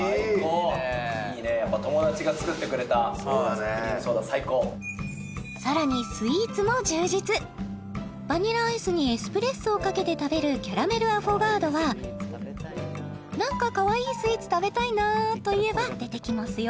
いいねそうだねさらにスイーツも充実バニラアイスにエスプレッソをかけて食べるキャラメルアフォガードは「なんか可愛いスイーツ食べたいな」と言えば出てきますよ